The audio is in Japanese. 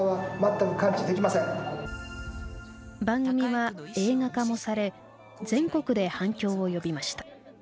番組は映画化もされ全国で反響を呼びました。